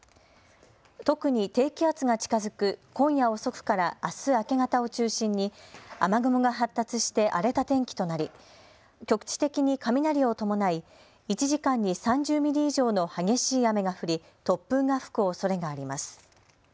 特に低気圧が近づく今夜遅くからあす明け方を中心に雨雲が発達して荒れた天気となり、局地的に雷を伴い１時間に３０ミリ以上の激しい雨が降り突風が吹くおそれがあります。